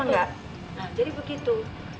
nah jadi begitu